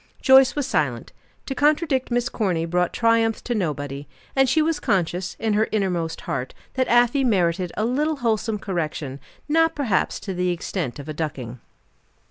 Joyce was silent. To contradict Miss Corny brought triumph to nobody. And she was conscious, in her innermost heart, that Afy merited a little wholesome correction, not perhaps to the extent of a ducking.